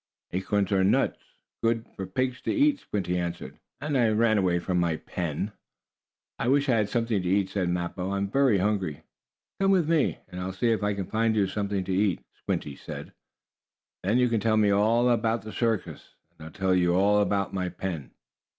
"Acorns are nuts, good for pigs to eat," Squinty answered, "and I ran away from my pen." "I wish I had something to eat," said Mappo. "I am very hungry." "Come with me, and I'll see if I can't find you something to eat," Squinty said. "Then you can tell me all about the circus, and I'll tell you all about my pen."